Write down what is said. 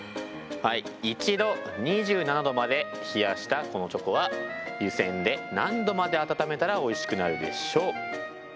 一度２７℃まで冷やしたこのチョコは湯せんで何度まで温めたらおいしくなるでしょう？